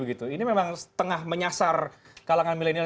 ini memang tengah menyasar kalangan milenial